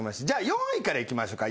４位からいきましょうか。